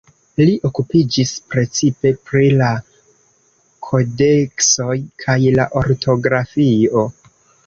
Li okupiĝis precipe pri la kodeksoj kaj la ortografio.